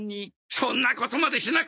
そんなことまでしなくていい！